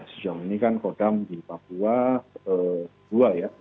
sejauh ini kan kodam di papua dua ya